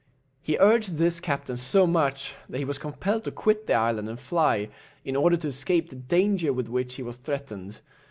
He urged this captain so much that he was compelled to quit the island and fly, in order to escape the danger with which he was threatened.